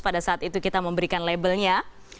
pada saat itu kita memberikan labelnya